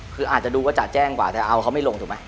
คืออาจจะดูก็จะแจ้งกว่าแต่เอาเขาไม่ลงถูกไหม